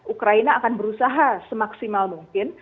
ukraina akan berusaha semaksimal mungkin